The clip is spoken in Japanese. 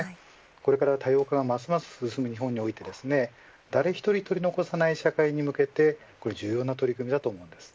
これから多様化がますます進む日本において誰１人取り残さない社会に向けて重要な取り組みだと思います。